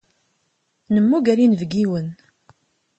Nemmuger inebgiwen.